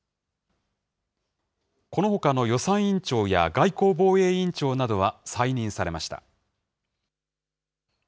このほかの予算委員長や外交防衛委員長などは再任されました。